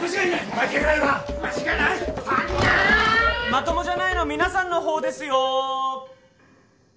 まともじゃないの皆さんのほうですよ。